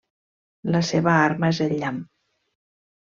La seva arma és el llamp.